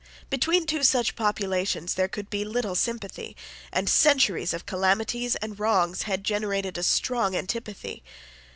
Between two such populations there could be little sympathy; and centuries of calamities and wrongs had generated a strong antipathy.